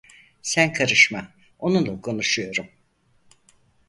Sen karışma, onunla konuşuyorum.